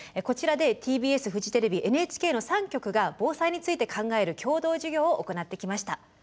こちらでＴＢＳフジテレビＮＨＫの３局が防災について考える共同授業を行ってきました。